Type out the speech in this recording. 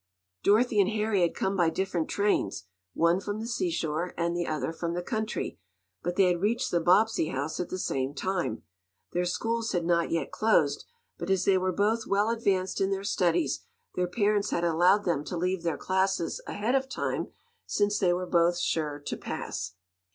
Dorothy and Harry had come by different trains, one from the seashore and the other from the country, but they had reached the Bobbsey house at the same time. Their schools had not yet closed, but as they were both well advanced in their studies, their parents had allowed them to leave their classes ahead of time, since they were both sure to "pass."